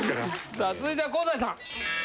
さあ続いては香西さん。